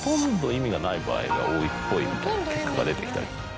場合が多いっぽいみたいな結果が出てきたり。